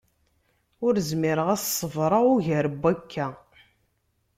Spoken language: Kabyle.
Ur zmireɣ ad s-ṣebreɣ ugar n wakka.